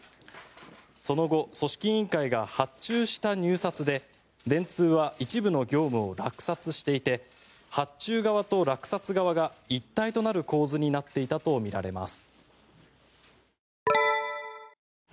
その後、組織委員会が発注した入札で電通は一部の業務を落札していて発注側と落札側が一体となる構図になっていたとみられます。